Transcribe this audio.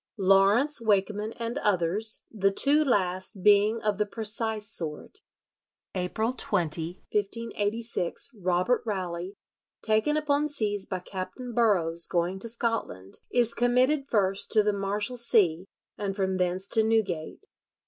Lawrence Wakeman and others, ... the two last being of the precise sort." April 20, 1586, Robert Rowley, taken upon seas by Captain Burrows going to Scotland, is committed first to the Marshalsea, and from thence to Newgate.